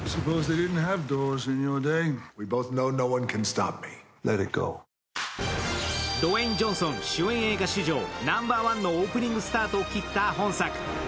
ドウェイン・ジョンソン主演映画史上ナンバーワンのオープニングスタートを切った本作。